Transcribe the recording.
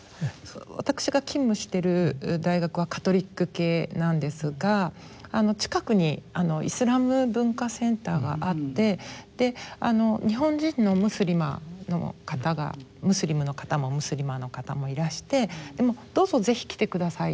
私が勤務している大学はカトリック系なんですが近くにイスラム文化センターがあって日本人のムスリマの方がムスリムの方もムスリマの方もいらしてどうぞ是非来て下さいと。